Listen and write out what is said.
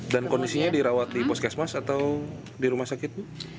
dan kondisinya dirawat di poskesmas atau di rumah sakit